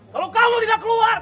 kalau kamu tidak keluar